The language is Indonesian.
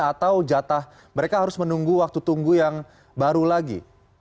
atau jatah mereka harus menunggu waktu tunggu yang baru lagi